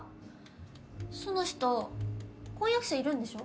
その人婚約者いるんでしょ？